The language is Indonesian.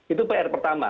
itu pr pertama